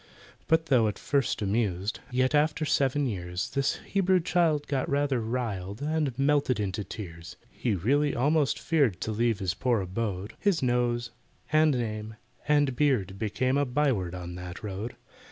But though at first amused, Yet after seven years, This Hebrew child got rather riled, And melted into tears. He really almost feared To leave his poor abode, His nose, and name, and beard became A byword on that road.